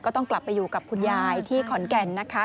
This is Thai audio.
ก็ต้องกลับไปอยู่กับคุณยายที่ขอนแก่นนะคะ